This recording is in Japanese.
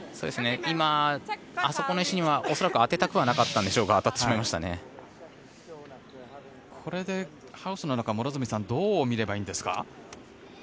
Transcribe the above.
今、あそこの石には恐らく当てたくはなかったんでしょうがこれでハウスの中は両角さんどう見ればいいんですか？